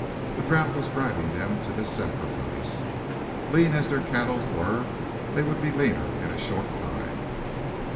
The drouth was driving them to this sacrifice. Lean as their cattle were, they would be leaner in a short time.